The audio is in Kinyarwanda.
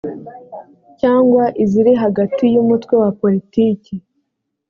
cyangwa iziri hagati y’umutwe wa politiki